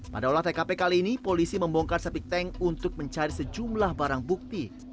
pada olah tkp kali ini polisi membongkar septic tank untuk mencari sejumlah barang bukti